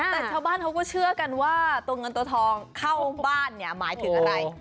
แต่ชาวบ้านเขาก็เชื่อกันว่าตัวเงินตัวทองเข้าบ้านเนี่ยหมายถึงอะไร